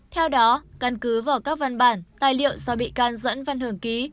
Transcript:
theo đó căn cứ vào các văn bản tài liệu do bị can dẫn văn hưởng ký